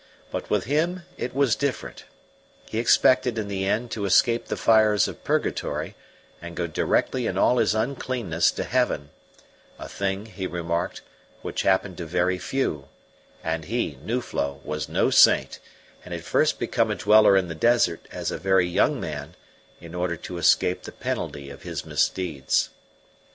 But with him it was different: he expected in the end to escape the fires of purgatory and go directly in all his uncleanness to heaven a thing, he remarked, which happened to very few; and he, Nuflo, was no saint, and had first become a dweller in the desert, as a very young man, in order to escape the penalty of his misdeeds.